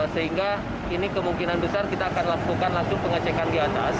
sehingga ini kemungkinan besar kita akan lakukan langsung pengecekan di atas